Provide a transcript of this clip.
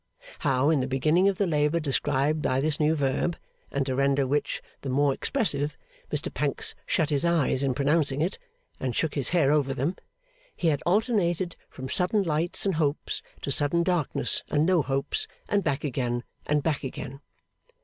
How, in the beginning of the labour described by this new verb, and to render which the more expressive Mr Pancks shut his eyes in pronouncing it and shook his hair over them, he had alternated from sudden lights and hopes to sudden darkness and no hopes, and back again, and back again.